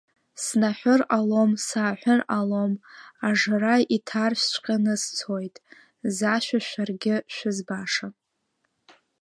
Снаҳәыр ҟалом, сааҳәыр ҟалом, ажра иҭаршәҵәҟьаны сцоит, зашәа шәаргьы шәызбаша.